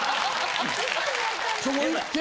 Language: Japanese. そこ行って。